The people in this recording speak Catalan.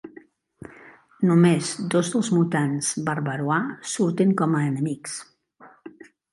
Només dos dels mutants Barbarois surten com a enemics.